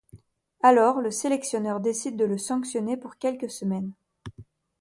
Alors le sélectionneur décide de le sanctionner pour quelques semaines.